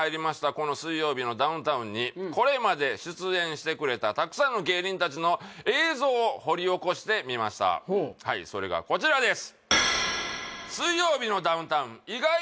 この「水曜日のダウンタウン」にこれまで出演してくれたたくさんの芸人達の映像を掘り起こしてみましたそれがこちらです